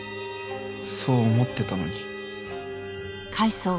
そう思ってたのに。